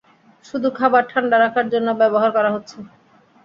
শুধু খাবার ঠান্ডা রাখার জন্য ব্যবহার করা হচ্ছে!